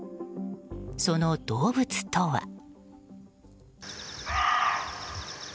その動物とは。